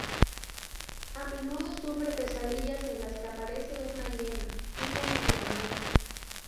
A menudo sufre pesadillas en las que aparece una hiena, símbolo de la muerte.